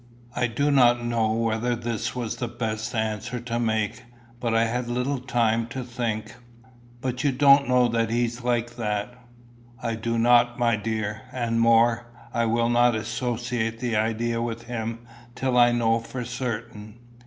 I do not know whether this was the best answer to make, but I had little time to think. "But you don't know that he's like that." "I do not, my dear. And more, I will not associate the idea with him till I know for certain.